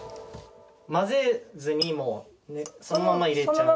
混ぜずにもうそのまま入れちゃう？